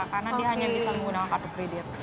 karena dia hanya bisa menggunakan kartu kredit